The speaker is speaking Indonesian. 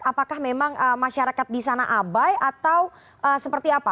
apakah memang masyarakat di sana abai atau seperti apa